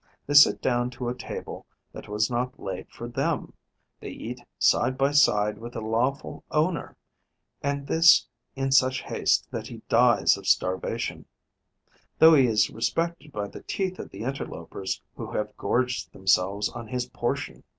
They sit down to a table that was not laid for them; they eat side by side with the lawful owner; and this in such haste that he dies of starvation, though he is respected by the teeth of the interlopers who have gorged themselves on his portion.